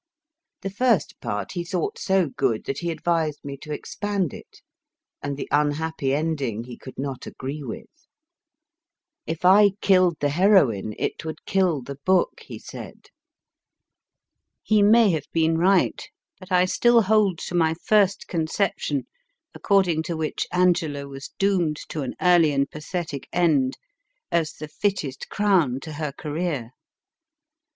The first part he thought so good that he advised me to expand it, and the unhappy ending he could not agree with. If I killed the heroine, it would kill the book> H. RIDER HAGGARD 141 he said. He may have been right, but I still hold to my first conception, according to which Angela was doomed to an early and pathetic end, as the fittest crown to her career.